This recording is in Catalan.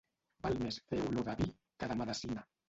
Val més fer olor de vi que de medecina.